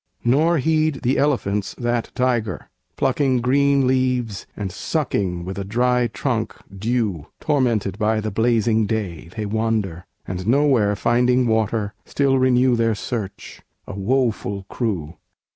Nor heed the elephants that tiger, plucking Green leaves, and sucking with a dry trunk dew; Tormented by the blazing day, they wander, And, nowhere finding water, still renew Their search a woful crew!